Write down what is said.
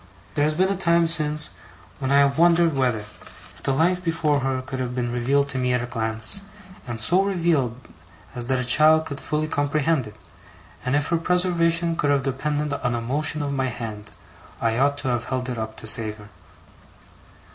There has been a time since when I have wondered whether, if the life before her could have been revealed to me at a glance, and so revealed as that a child could fully comprehend it, and if her preservation could have depended on a motion of my hand, I ought to have held it up to save her.